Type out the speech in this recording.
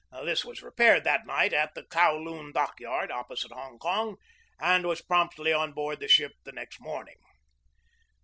This was repaired that night at the Kowloon dock yard, opposite Hong Kong, and was promptly on board the ship the next morning.